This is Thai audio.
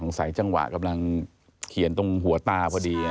ใส่จังหวะกำลังเขียนตรงหัวตาพอดี